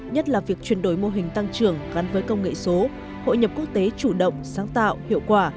nhất là việc chuyển đổi mô hình tăng trưởng gắn với công nghệ số hội nhập quốc tế chủ động sáng tạo hiệu quả